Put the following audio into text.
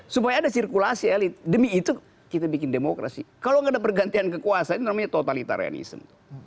supaya ada sirkulasi elit demi itu kita bikin demokrasi kalau nggak ada pergantian kekuasaan namanya totalitarianism